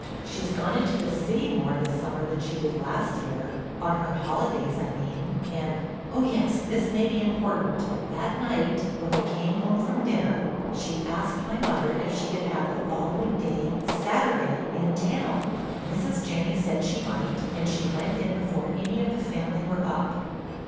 She's gone into the city more this summer than she did last year, on her holidays, I mean. And—oh yes, this may be important—that night, when we came home from dinner, she asked my mother if she could have the following day—Saturday—in town. Mrs. Janney said she might and she went in before any of the family were up."